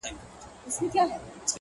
ما دي د میني سوداګر له کوڅې وشړله٫